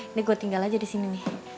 ini gue tinggal aja disini nih